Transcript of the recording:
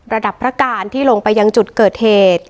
ระดับพระการที่ลงไปยังจุดเกิดเหตุ